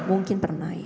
mungkin pernah ya